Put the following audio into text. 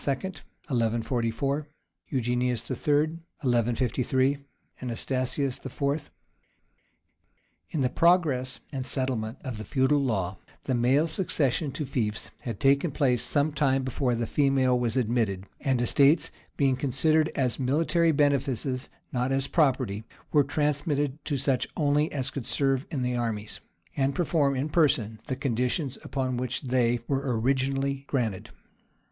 1144 Eugenius III. 1153 Anastasius IV. {1135.} IN the progress and settlement of the feudal law, the male succession to fiefs had taken place some time before the female was admitted; and estates, being considered as military benefices, not as property, were transmitted to such only as could serve in the armies, and perform in person the conditions upon which they were originally granted.